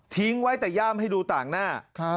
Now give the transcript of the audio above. ไว้แต่ย่ามให้ดูต่างหน้า